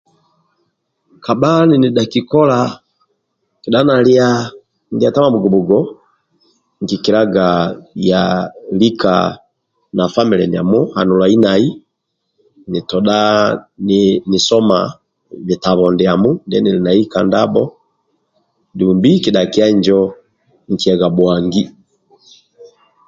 Kaba nini daki kola kedatu liya ndia tama bugobugo nkikilaga lika na family ndiamo hanulai nai ditoda nisoma bitabo ndiamo ndienili nai ka ndabo dumbi kidhakia njo nkiyaga buhangi